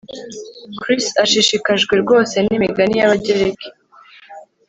Chris ashishikajwe rwose nimigani yAbagereki